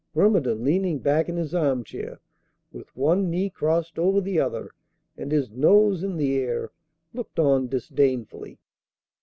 Grumedan leaning back in his arm chair, with one knee crossed over the other and his nose in the air, looked on disdainfully.